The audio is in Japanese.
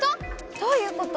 どういうこと？